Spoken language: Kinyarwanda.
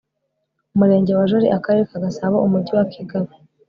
murenge wa jali akarere ka gasabo umujyi wa kigali